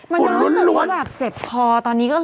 มันก็เหมือนว่าแบบเจ็บคลอตอนนี้ก็เลยแบบ